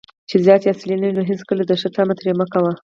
چې ذات یې اصلي نه وي، نو هیڅکله د ښو طمعه ترې مه کوه